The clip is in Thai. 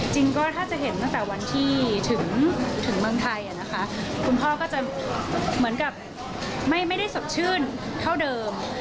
จริงก็ถ้าจะเห็นตั้งแต่วันที่ถึงเมืองไทยนะคะคุณพ่อก็จะเหมือนกับไม่ได้สดชื่นเท่าเดิม